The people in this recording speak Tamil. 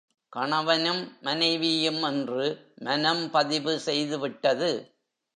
கணவனும், மனைவியும் என்று மனம் பதிவு செய்துவிட்டது.